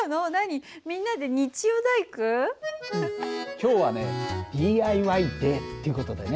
今日はねＤＩＹデーっていう事でね。